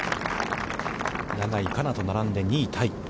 永井花奈と並んで、２位タイ。